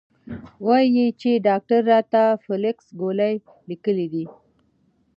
وې ئې چې ډاکټر راته فلکس ګولۍ ليکلي دي -